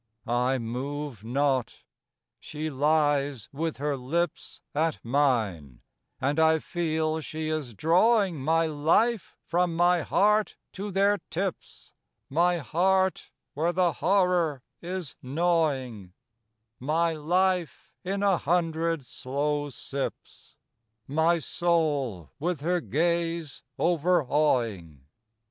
I move not; she lies with her lips At mine; and I feel she is drawing My life from my heart to their tips, My heart where the horror is gnawing; My life in a hundred slow sips, My soul with her gaze overawing.